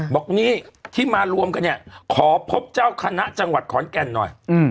บอกนี่ที่มารวมกันเนี่ยขอพบเจ้าคณะจังหวัดขอนแก่นหน่อย